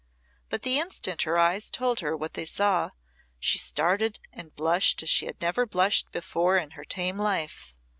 But the instant her eyes told her what they saw, she started and blushed as she had never blushed before in her tame life.